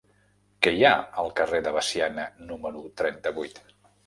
Què hi ha al carrer de Veciana número trenta-vuit?